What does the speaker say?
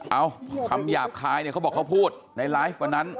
คำหยาบคายเนี่ยเขาบอกเขาพูดในไลฟ์วันนั้น